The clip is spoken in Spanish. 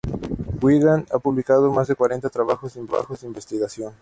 Wiegand ha publicado más de cuarenta trabajos de investigación.